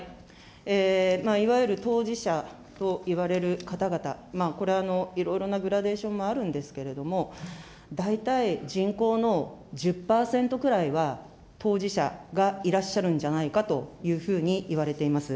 いわゆる当事者といわれる方々、これ、いろいろなグラデーションもあるんですけれども、大体人口の１０％ぐらいは当事者がいらっしゃるんじゃないかというふうにいわれています。